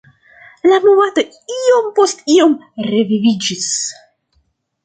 La movado iom post iom reviviĝis.